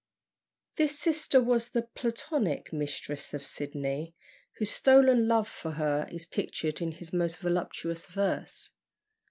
This sister was the (Platonic?) mistress of Sydney, whose stolen love for her is pictured in his most voluptuous verse.